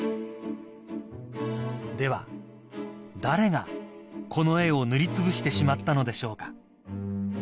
誰がこの絵を塗りつぶしてしまったのでしょうか］